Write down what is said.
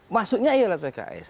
maksudnya iyalah pks